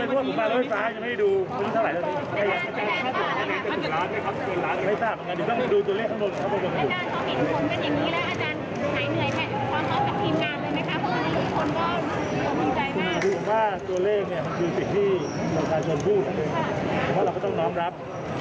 ต้องนำรถไฟฟ้ามาครับ